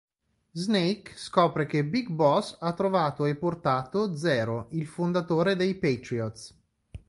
Snake scopre che Big Boss ha trovato, e portato, Zero, il fondatore dei Patriots.